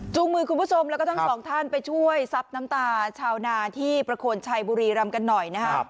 มือคุณผู้ชมแล้วก็ทั้งสองท่านไปช่วยซับน้ำตาชาวนาที่ประโคนชัยบุรีรำกันหน่อยนะครับ